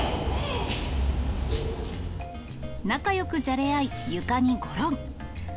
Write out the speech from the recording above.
仲よくじゃれ合い、床にごろん。